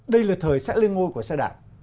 đây là thời sẽ lên ngôi của xe đạp